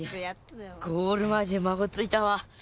ゴールまえでまごついたわ。